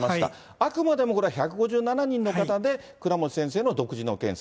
あくまでもこれは１５７人の方で、倉持先生の独自の検査。